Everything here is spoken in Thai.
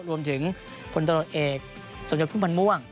รวมถึงพลตรงเอกสมชัยพุทธพันธ์ม่วง